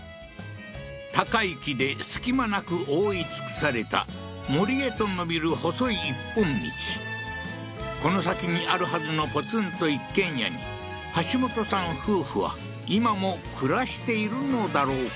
高い木で隙間なく覆い尽くされた森へと伸びる細い一本道この先にあるはずのポツンと一軒家にハシモトさん夫婦は今も暮らしているのだろうか？